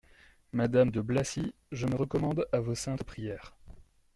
Madame de Blacy, je me recommande à vos saintes prières.